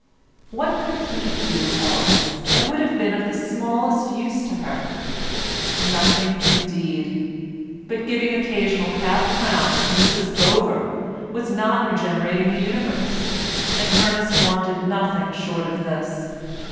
What could he do else that would have been of the smallest use to her? Nothing indeed; but giving occasional half crowns to Mrs Gover was not regenerating the universe, and Ernest wanted nothing short of this.